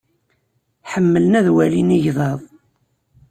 Ḥemmlen ad walin igḍaḍ.